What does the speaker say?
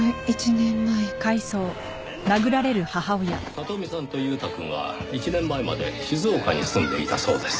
里美さんと裕太くんは１年前まで静岡に住んでいたそうです。